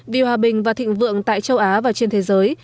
vì hòa bình và thịnh vượng tại châu á và trên thế giới